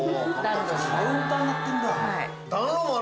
カウンターになってんだ。